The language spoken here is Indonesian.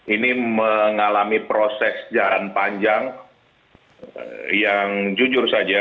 ini mengalami proses jalan panjang yang jujur saja